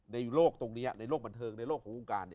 ในโลกตรงนี้ในโลกบันเทิงในโลกของวงการ